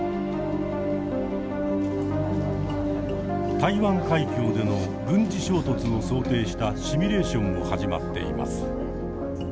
台湾海峡での軍事衝突を想定したシミュレーションも始まっています。